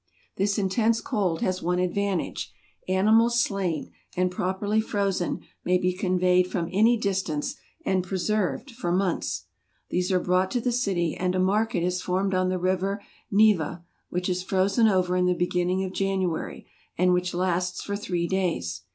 This intense cold has one advantage: animals slain, and properly frozen, may be conveyed from any distance, and preserved for months. These are brought to the city and a market is formed on the river Neva, which is frozen over in the beginning of January, and which lasts for three days.